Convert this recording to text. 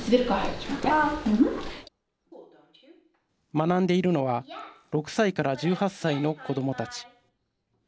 学んでいるのは６歳から１８歳の子どもたち。